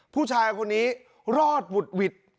ผู้ชายคนนี้รอดหวุดหวิด